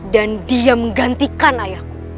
dan dia menggantikan ayahku